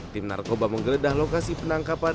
tim narkoba menggeledah lokasi penangkapan